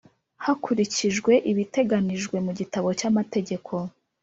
Hakurikijwe ibiteganijwe mu gitabo cy’amategeko